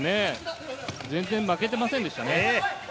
全然負けていませんでしたね。